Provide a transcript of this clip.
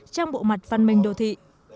trong bộ mặt văn minh đồ thị